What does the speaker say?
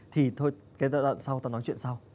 thì thôi cái giai đoạn sau ta nói chuyện sau